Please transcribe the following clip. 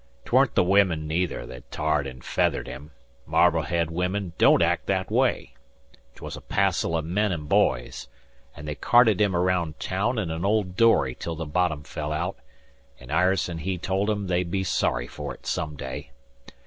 'Tweren't the women neither that tarred and feathered him Marblehead women don't act that way 'twas a passel o' men an' boys, an' they carted him araound town in an old dory till the bottom fell aout, and Ireson he told 'em they'd be sorry for it some day.